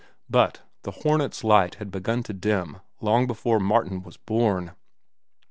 But The Hornet's light had begun to dim long before Martin was born.